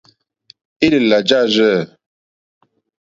Élèlà jârzɛ̂.